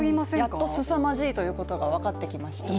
やっとすさまじいということが分かってきましたね。